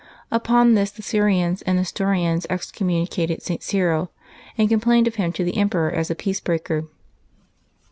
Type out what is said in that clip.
Upon this the Syrians and Nestorians excommunicated St. Cyril, and complained of him to the emperor as a peace breaker.